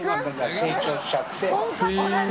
成長しちゃって。